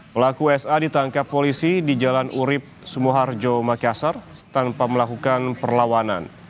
pelaku sa ditangkap polisi di jalan urib sumoharjo makassar tanpa melakukan perlawanan